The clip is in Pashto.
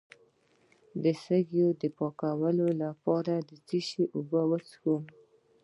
د سږو د پاکوالي لپاره د څه شي اوبه وڅښم؟